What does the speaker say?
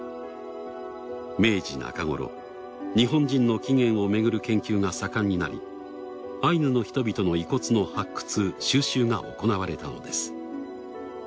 明治中頃日本人の起源を巡る研究が盛んになりアイヌの人々の遺骨の発掘収集が行われたのです。